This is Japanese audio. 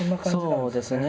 そうですね。